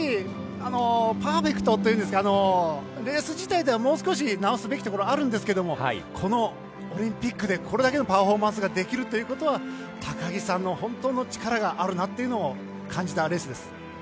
パーフェクトというかレース自体にはもう少し直すべきところはあるんですがこのオリンピックでこれだけのパフォーマンスができるということは高木さんの本当の力があるなと感じたレースです。